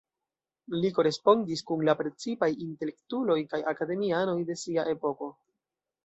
Li korespondis kun la precipaj intelektuloj kaj akademianoj de sia epoko.